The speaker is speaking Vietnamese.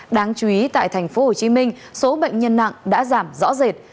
đáng chú ý tại tp hcm số bệnh nhân nặng đã giảm rõ rệt